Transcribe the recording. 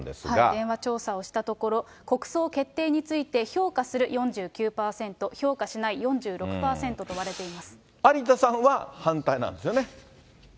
電話調査をしたところ、国葬決定について、評価する４９％、有田さんは反対なんですよね